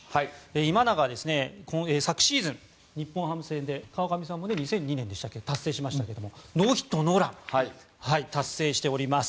今永は、昨シーズン日本ハム戦で川上さんも２００２年に達成しましたけどノーヒットノーランを達成しております。